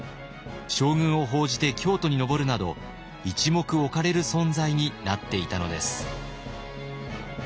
将軍を奉じて京都に上るなど一目置かれる存在になっていたのです。